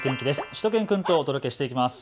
しゅと犬くんとお届けしていきます。